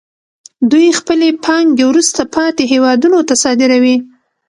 دوی خپلې پانګې وروسته پاتې هېوادونو ته صادروي